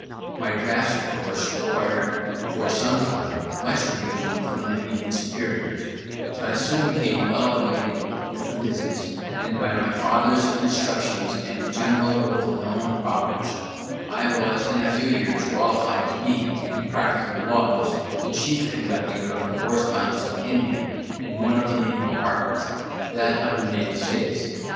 My drafts of course required, for some time, much revision from my immediate superiors, but I soon became well acquainted with the business, and by my father's instructions and the general growth of my own powers, I was in a few years qualified to be, and practically was, the chief conductor of the correspondence with India in one of the leading departments, that of the Native States.